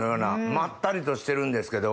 まったりとしてるんですけど。